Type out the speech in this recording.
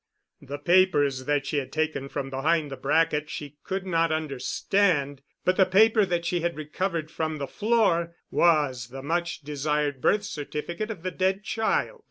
The papers that she had taken from behind the bracket she could not understand, but the paper that she had recovered from the floor was the much desired birth certificate of the dead child.